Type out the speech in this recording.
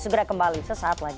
segera kembali sesaat lagi